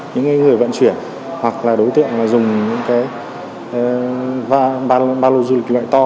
những người vận chuyển hoặc là đối tượng dùng những ba lô du lịch loại to